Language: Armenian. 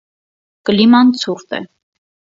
Կլիման ցուրտ է։